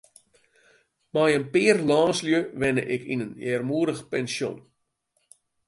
Mei in pear lânslju wenne ik yn in earmoedich pensjon.